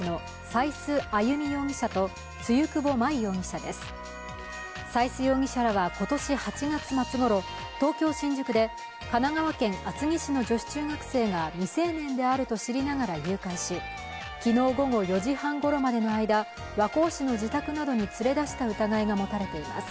斉須容疑者らは今年８月末ごろ東京・新宿で神奈川県厚木市の女子中学生が未成年であると知りながら誘拐し昨日午後４時半ごろまでの間和光市の自宅などに連れ出した疑いがもたれています。